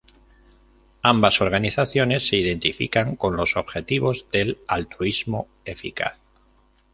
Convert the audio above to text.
Ambas organizaciones se identifican con los objetivos del altruismo eficaz.